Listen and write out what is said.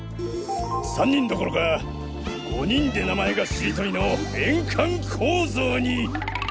３人どころか５人で名前がしりとりの円環構造に！